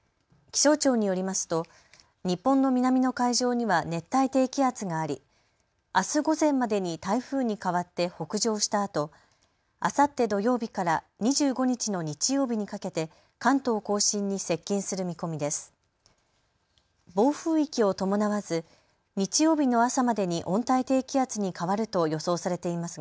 気象庁によりますと日本の南の海上には熱帯低気圧がありあす午前までに台風に変わって北上したあと、あさって土曜日から２５日の日曜日にかけて関東甲信に接近する見込みです。